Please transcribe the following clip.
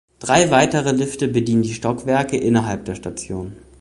Drei weitere Lifte bedienen die Stockwerke innerhalb der Station.